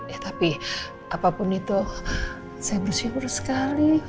ya tapi apapun itu saya bersyukur sekali